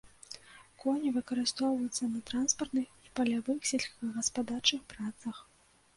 Коні выкарыстоўваюцца на транспартных і палявых сельскагаспадарчых працах.